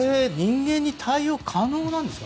人間に対応は可能なんですか？